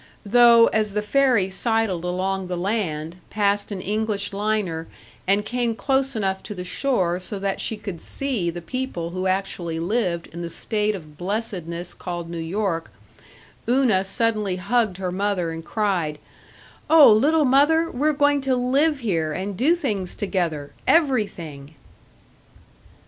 Though, as the ferry sidled along the land, passed an English liner, and came close enough to the shore so that she could see the people who actually lived in the state of blessedness called New York, Una suddenly hugged her mother and cried, "Oh, little mother, we're going to live here and do things together everything."